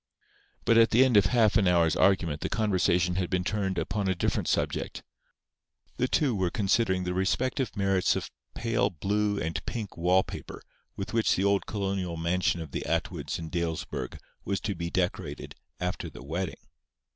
But at the end of half an hour's argument the conversation had been turned upon a different subject. The two were considering the respective merits of pale blue and pink wall paper with which the old colonial mansion of the Atwoods in Dalesburg was to be decorated after the wedding.